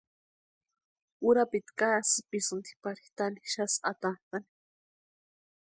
Urapiti kasïpisïnti pari taani xasï atantʼani.